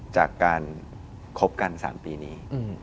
จากการคบกัน๓ปีนี้